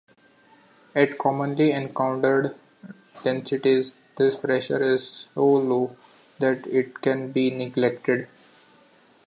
At commonly encountered densities, this pressure is so low that it can be neglected.